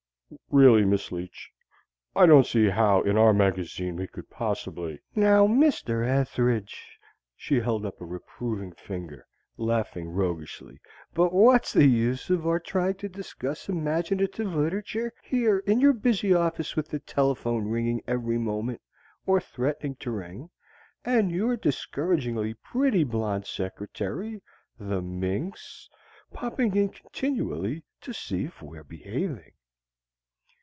"Really, Miss Leech, I don't see how in our magazine we could possibly " "Now, Mr. Ethridge!" She held up a reproving finger, laughing roguishly. "But what's the use of our trying to discuss imaginative literature here in your busy office with the telephone ringing every moment or threatening to ring and your discouragingly pretty blonde secretary the minx! popping in continually to see if we're behaving!"